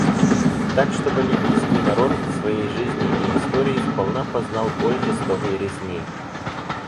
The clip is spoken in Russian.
Так что боливийский народ в своей жизни и истории сполна познал боль жестокой резни.